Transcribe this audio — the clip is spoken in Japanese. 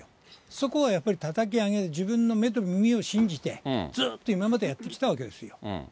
そこはやっぱりたたき上げ、自分の目と耳を信じて、ずっと今までやってきたわけですよ。